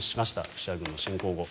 ロシア軍の侵攻後。